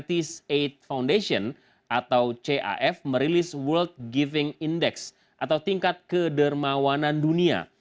pisztek world giving index atau tingkat kedermawanan dunia